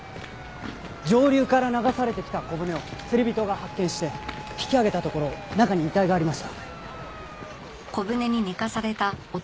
上流から流されてきた小舟を釣り人が発見して引き上げたところ中に遺体がありました。